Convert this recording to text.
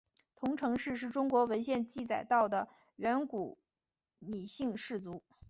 彤城氏是中国文献记载到的远古姒姓氏族。